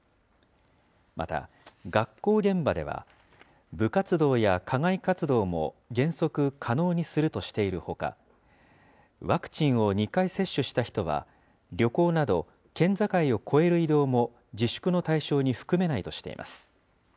また、学校現場では、部活動や課外活動も原則可能にするとしているほか、ワクチンを２回接種した人は、旅行など、県境を越える移動も自粛の対象に含めないとしています。